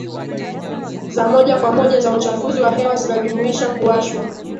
za moja kwa moja za uchafuzi wa hewa zinajumuisha kuwashwa